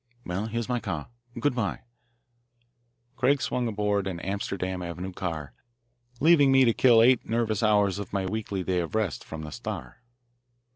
Well, here's my car. Good bye." Craig swung aboard an Amsterdam Avenue car, leaving me to kill eight nervous hours of my weekly day of rest from the Star.